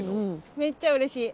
めっちゃうれしい。